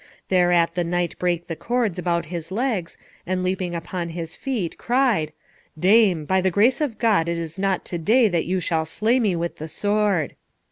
Thereat the knight brake the cords about his legs, and leaping upon his feet, cried, "Dame, by the grace of God it is not to day that you shall slay me with the sword."